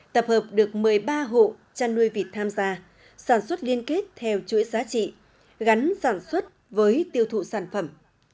tập hợp được một mươi ba hộ chăn nuôi vịt tham gia sản xuất liên kết theo chuỗi giá trị gắn sản xuất với tiêu thụ sản phẩm